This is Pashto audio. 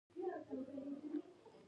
سهار د ارام خوب پای دی.